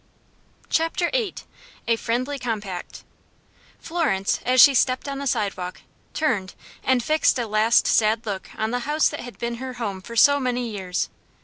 Chapter VIII. A Friendly Compact. Florence, as she stepped on the sidewalk, turned, and fixed a last sad look on the house that had been her home for so many years.